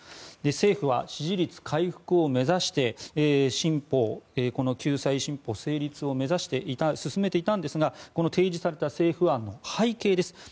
政府は支持率回復を目指して救済新法の成立を目指して進めていたんですが提示された政府案の背景です。